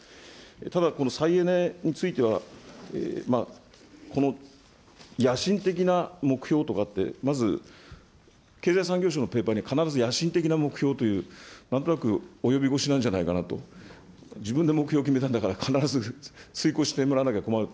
ただこの再エネについては、この野心的な目標とかって、まず経済産業省のペーパーに必ず野心的な目標という、なんとなく及び腰なんじゃないかなと、自分で目標を決めたんだから、必ず遂行してもらわなきゃ困る。